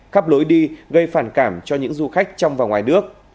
khắp lối đi gây phản cảm cho những du khách trong và ngoài nước